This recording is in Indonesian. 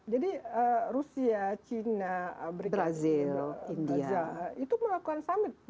jadi rusia china brazil india itu melakukan summit